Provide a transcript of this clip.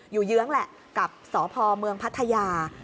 เยื้องแหละกับสพเมืองพัทยา